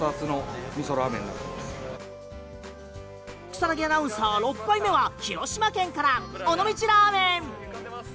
草薙アナウンサー、６杯目は広島県から尾道ラーメン！